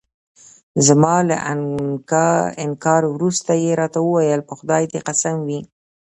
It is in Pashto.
زما له انکار وروسته يې راته وویل: په خدای دې قسم وي.